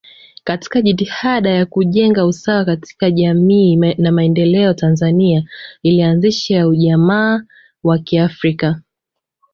Katika jitihada ya kujenga usawa katika jamii na maendeleo Tanzania ilianzisha ujamaa wa kiafrika